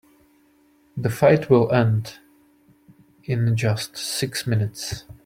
The fight will end in just six minutes.